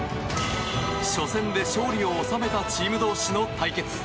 初戦で勝利を収めたチーム同士の対決。